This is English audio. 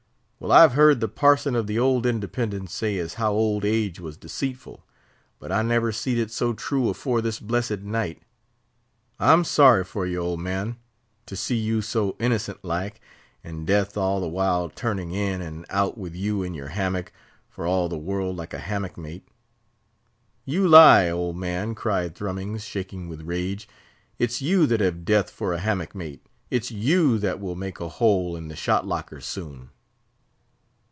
"Well, I've he'rd the parson of the old Independence say as how old age was deceitful; but I never seed it so true afore this blessed night. I'm sorry for ye, old man—to see you so innocent like, and Death all the while turning in and out with you in your hammock, for all the world like a hammock mate." "You lie! old man," cried Thrummings, shaking with rage. "It's you that have Death for a hammock mate; it's you that will make a hole in the shot locker soon."